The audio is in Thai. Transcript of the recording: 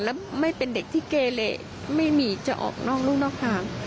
แล้วไม่เป็นเด็กที่เกเลไม่มีจะออกนอกลูกนอกทาง